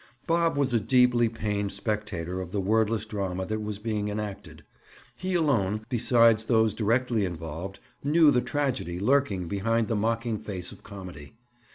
Bob was a deeply pained spectator of the wordless drama that was being enacted. He, alone, besides those directly involved, knew the tragedy lurking behind the mocking face of comedy.